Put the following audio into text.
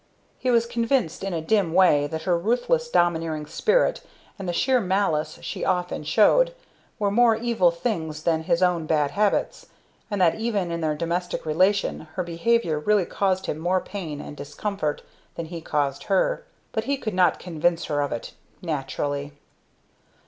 He was convinced in a dim way that her ruthless domineering spirit, and the sheer malice she often showed, were more evil things than his own bad habits; and that even in their domestic relation her behavior really caused him more pain and discomfort than he caused her; but he could not convince her of it, naturally.